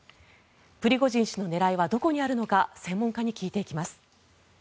プリゴジン氏の狙いはどこにあるのか専門家に聞いていきます。